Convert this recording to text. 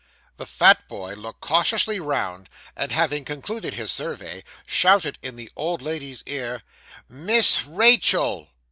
The fat boy looked cautiously round, and having concluded his survey, shouted in the old lady's ear 'Miss Rachael.